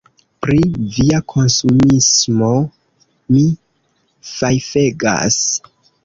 Pri via konsumismo mi fajfegas!